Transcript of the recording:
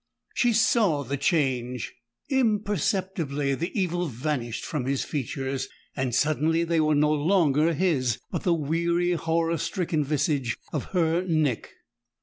She saw the change; imperceptibly the evil vanished from his features, and suddenly they were no longer his, but the weary, horror stricken visage of her Nick!